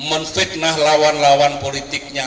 menfitnah lawan lawan politiknya